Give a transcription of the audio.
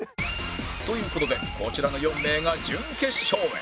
という事でこちらの４名が準決勝へ